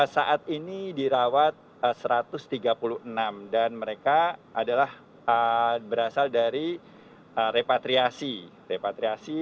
saat ini dirawat satu ratus tiga puluh enam dan mereka adalah berasal dari repatriasi